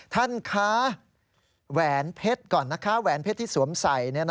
ท่านคะแหวนเพชรก่อนนะคะแหวนเพชรที่สวมใส่